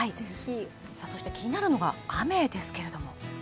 そして気になるのが雨ですけれども。